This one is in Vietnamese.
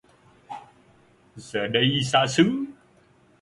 Giờ đây xa xứ